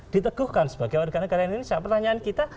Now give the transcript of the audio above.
diteguhkan sebagai warga negara indonesia pertanyaan kita